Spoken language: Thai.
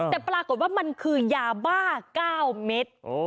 แต่ปรากฏว่ามันคือยาบ้า๙เม็ด